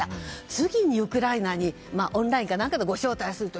次にウクライナにオンラインか何かでご招待すると。